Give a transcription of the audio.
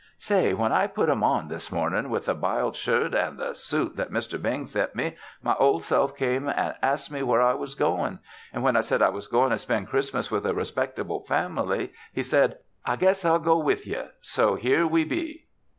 "Say, when I put 'em on this mornin' with the b'iled shirt an' the suit that Mr. Bing sent me, my Old Self came an' asked me where I was goin', an' when I said I was goin' to spen' Christmas with a respectable fam'ly, he said, 'I guess I'll go with ye,' so here we be."